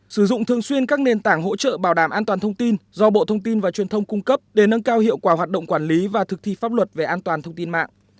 sử dụng thường xuyên các nền tảng hỗ trợ bảo đảm an toàn thông tin do bộ thông tin và truyền thông cung cấp để nâng cao hiệu quả hoạt động quản lý và thực thi pháp luật về an toàn thông tin mạng